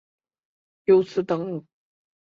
由此等可前往台铁沿线各站。